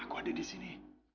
aku ada di sini